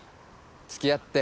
付き合って。